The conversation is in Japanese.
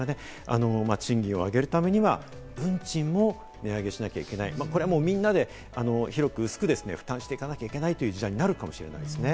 賃金を上げるためには運賃も値上げしなきゃいけない、これはみんなで広く、薄く負担していかなきゃいけないという事案になるかもしれないですね。